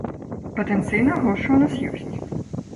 Патэнцыйна, грошы ў нас ёсць.